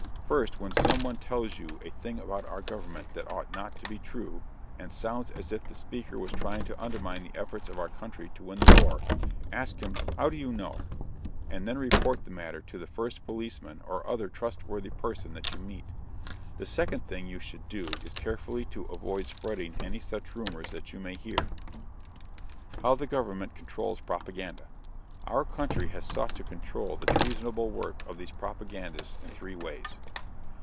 First, when some one tells you a thing about our government that ought not to be true, and sounds as if the speaker was trying to undermine the efforts of our country to win the war, ask him, "How do you know?" and then report the matter to the first policeman or other trustworthy person that you meet. The second thing you should do is carefully to avoid spreading any such rumors that you may hear. HOW THE GOVERNMENT CONTROLS PROPAGANDA. Our country has sought to control the treasonable work of these propagandists in three ways.